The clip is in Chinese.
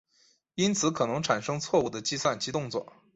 因此可能产生错误的计算及动作。